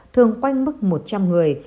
thường quanh mức một trăm linh người